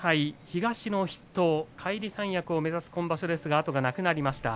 東の筆頭、返り三役を目指す今場所ですが後がなくなりました。